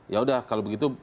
ya udah kalau begitu